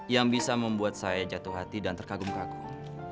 yang bisa membuat saya jatuh hati dan terkagum kagum